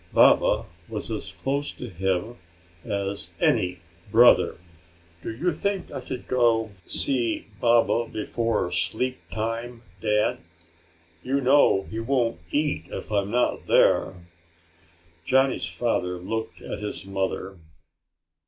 Baba was as close to him as any brother. "Do you think I could go see Baba before sleep time, Dad? You know he won't eat if I'm not there." Johnny's father looked at his mother.